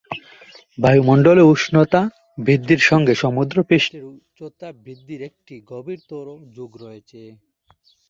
বায়ুমন্ডলে উষ্ণতা বৃদ্ধির সঙ্গে সমুদ্রের পৃষ্ঠের উচ্চতা বৃদ্ধির একটা গভীরতর যোগ রয়েছে।